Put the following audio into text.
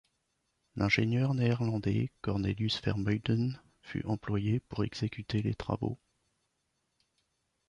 L'ingénieur néerlandais Cornelius Vermuyden fut employé pour exécuter les travaux.